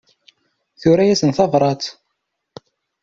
Tura-asen tabrat.